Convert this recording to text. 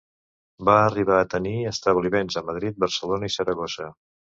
Va arribar a tenir establiments a Madrid, Barcelona i Saragossa.